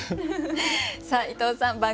さあ伊藤さん